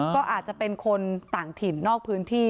ก็อาจจะเป็นคนต่างถิ่นนอกพื้นที่